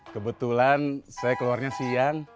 kebetulan saya keluarnya siang